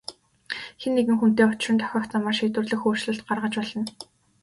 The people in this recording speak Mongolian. Хэн нэгэн хүнтэй учран тохиох замаар шийдвэрлэх өөрчлөлт гаргаж болно.